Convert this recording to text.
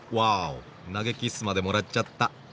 投げキッスまでもらっちゃった。